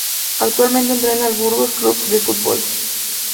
Actualmente entrena al Burgos Club de Futbol.